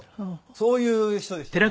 そういう人でしたね。